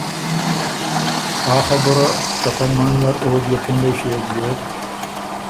آ خبُره، که پۀ مںځ نر او دیوپُنډئ ݭیوک بیوک